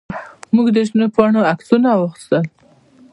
موږ د شنو پاڼو عکسونه واخیستل.